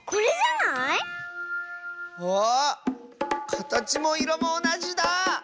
かたちもいろもおなじだあ！